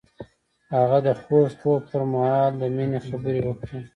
هغه د خوږ خوب پر مهال د مینې خبرې وکړې.